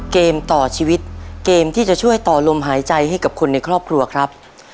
เกมต่อชีวิตเกมที่จะช่วยต่อลมหายใจให้กับคนในครอบครัวครับ